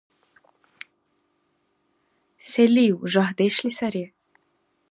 Селив — жагьдешли сари!